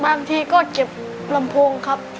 บางทีก็เจ็บลำโพงครับ